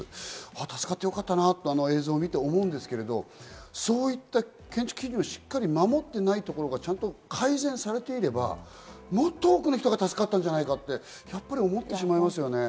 助かってよかったな、映像を見て思うんですけど、そういった建築基準をしっかり守っていないところが改善されていれば、もっと多くの人が助かったんじゃないかって思ってしまいますよね。